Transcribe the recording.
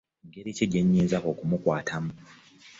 Ngeri ki gye nnyinza okumukwatamu?